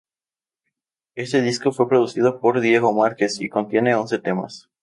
Este disco fue producido por Diego Márquez y contiene once temas.